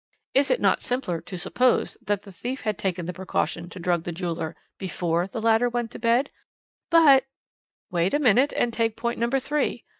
Is it not simpler to suppose that the thief had taken the precaution to drug the jeweller before the latter went to bed?" "But " "Wait a moment, and take point number three.